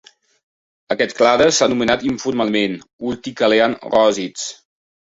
Aquest clade s'ha anomenat informalment "urticalean rosids".